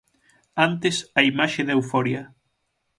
Antes, a imaxe da euforia.